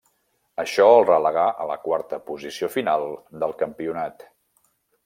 Això el relegà a la quarta posició final del Campionat.